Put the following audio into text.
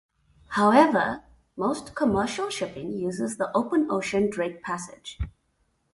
However, most commercial shipping uses the open-ocean Drake Passage.